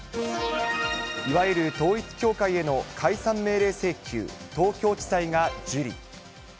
いわゆる統一教会への解散命令請求、東京地裁が受理。